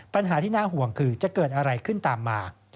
ปัญหาที่น่าห่วงคือจะเกิดอะไรขึ้นตามมา